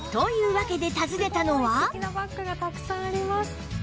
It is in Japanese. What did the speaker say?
素敵なバッグがたくさんあります。